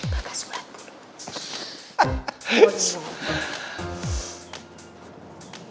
pak gas ulat bulu